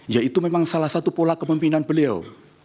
ya itu memang salah satu pola kemimpinan beliau